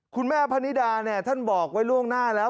พะนิดาเนี่ยท่านบอกไว้ล่วงหน้าแล้ว